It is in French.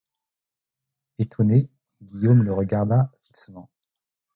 Etonné, Guillaume le regarda fixement.